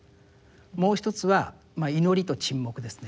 もう一つは祈りと沈黙ですね。